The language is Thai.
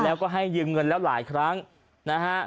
แล้วก็ให้ยืมเงินแล้วหลายครั้งนะฮะ